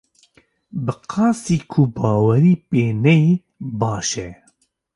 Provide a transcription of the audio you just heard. Bi qasî ku bawerî pê neyê baş e.